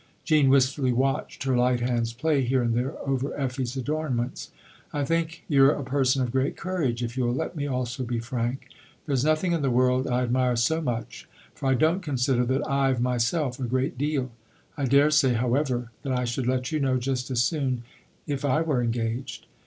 Jean wistfully watched her light hands play here and there over Effie's adornments. " 1 think you're a person of great courage if you'll let me also be frank. There's nothing in the world I admire so much for I don't consider that I've, myself, a great deal. I daresay, however, that I should let you know just as soon if I were engaged."